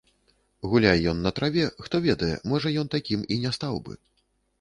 Гуляй ён на траве, хто ведае, можа, ён такім і не стаў бы.